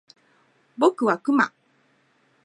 僕はクマ